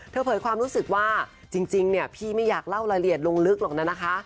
เผยความรู้สึกว่าจริงเนี่ยพี่ไม่อยากเล่ารายละเอียดลงลึกหรอกนะนะคะ